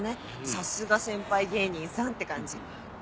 さすが先輩芸人さんって感じ。